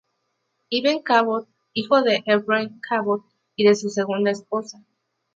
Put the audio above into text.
Eben Cabot: hijo de Ephraim Cabot y de su segunda esposa.